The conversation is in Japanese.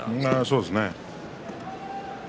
そうですね。